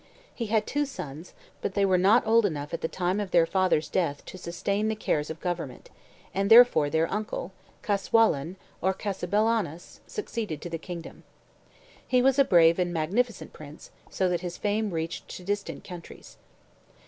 He had two sons, but they were not old enough at the time of their father's death to sustain the cares of government, and therefore their uncle, Caswallaun, or Cassibellaunus, succeeded to the kingdom. He was a brave and magnificent prince, so that his fame reached to distant countries.